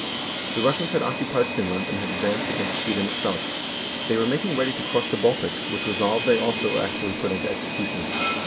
The Russians had occupied Fin land and had advanced against Sweden itself; they were making ready to cross the Baltic, which resolve they also actually put into execution.